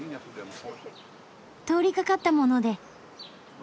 通りかかったもので。